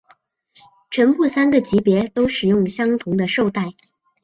全部三个级别都使用相同的绶带。